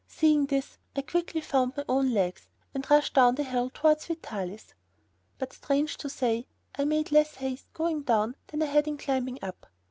Seeing this, I quickly found my own legs, and rushed down the hill towards Vitalis. But, strange to say, I made less haste going down than I had in climbing up.